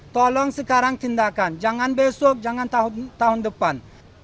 tolong sekarang tindakan jangan besok jangan tahun depan